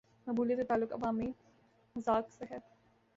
مقبولیت کا تعلق عوامی مذاق سے ہے۔